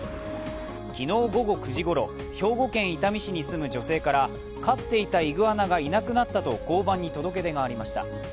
昨日午後９時ごろ、兵庫県伊丹市に住む女性から飼っていたイグアナがいなくなったと交番に届け出がありました。